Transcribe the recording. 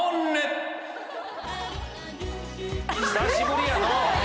久しぶりやの